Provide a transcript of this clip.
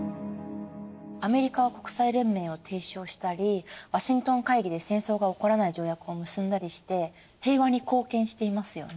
アメリカは国際連盟を提唱したりワシントン会議で戦争が起こらない条約を結んだりして平和に貢献していますよね。